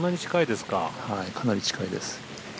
かなり近いです。